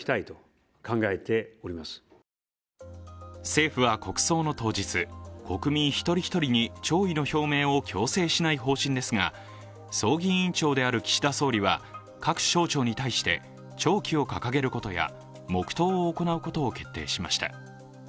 政府は国葬の当日、国民一人一人に弔意の表明を強制しない方針ですが葬儀委員長である岸田総理は各省庁に対して弔旗を掲げることや黙とうを行うことを決定しました。